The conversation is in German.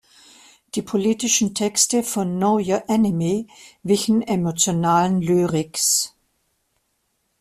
Die politischen Texte von "Know Your Enemy" wichen emotionalen Lyrics.